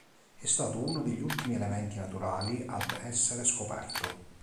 È stato uno degli ultimi elementi naturali ad essere scoperto.